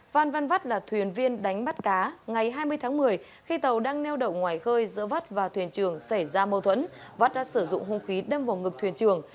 phan văn vắt là thuyền viên đánh bắt cá ngày hai mươi tháng một mươi khi tàu đang neo đậu ngoài khơi giữa vắt và thuyền trường xảy ra mâu thuẫn vắt đã sử dụng hung khí đâm vào ngực thuyền trường